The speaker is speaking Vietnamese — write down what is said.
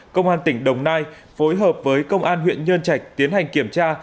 công an tỉnh đồng nai phối hợp với công an huyện nhân trạch tiến hành kiểm tra